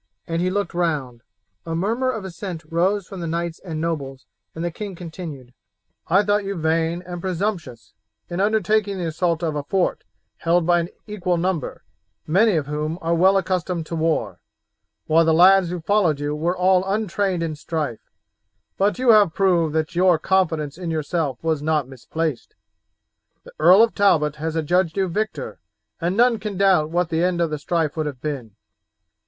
and he looked round. A murmur of assent rose from the knights and nobles, and the king continued: "I thought you vain and presumptuous in undertaking the assault of a fort held by an equal number, many of whom are well accustomed to war, while the lads who followed you were all untrained in strife, but you have proved that your confidence in yourself was not misplaced. The Earl of Talbot has adjudged you victor, and none can doubt what the end of the strife would have been.